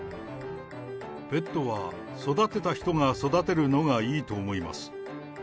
ペットは、育てた人が育てるのがいいと思います。